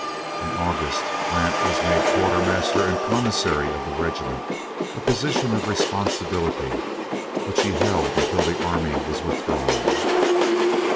In August, Grant was made quartermaster and commissary of the regiment a position of responsibility which he held until the army was withdrawn.